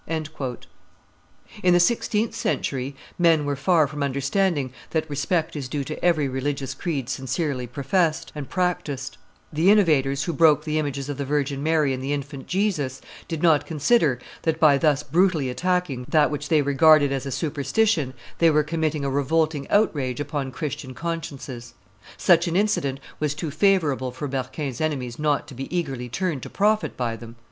[Journal d'un Bourgeois de Paris, pp. 347 351.] In the sixteenth century men were far from understanding that respect is due to every religious creed sincerely professed and practised; the innovators, who broke the images of the Virgin Mary and the Infant Jesus, did not consider that by thus brutally attacking that which they regarded as a superstition, they were committing a revolting outrage upon Christian consciences. Such an incident was too favorable for Berquin's enemies not to be eagerly turned to profit by them.